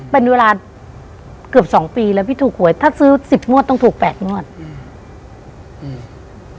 เป็นเวลาเกือบสองปีแล้วพี่ถูกหวยถ้าซื้อสิบงวดต้องถูกแปดงวดอืมอืม